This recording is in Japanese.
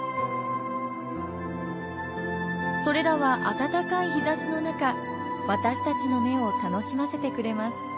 それらは暖かい日ざしの中、私たちの目を楽しませてくれます。